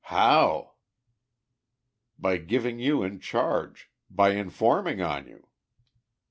"How?" "By giving you in charge. By informing on you."